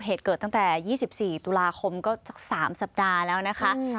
เหตุเกิดตั้งแต่๒๔ตุลาคมก็สัก๓สัปดาห์แล้วนะคะ